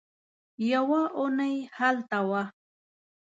يوه اوونۍ هلته وه.